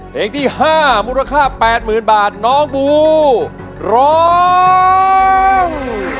เพลงที่๕มูลค่า๘๐๐๐บาทน้องบูร้อง